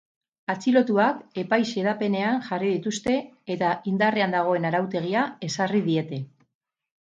Atxilotuak epai-xedapenean jarri dituzte, eta indarrean dagoen arautegia ezarri diete.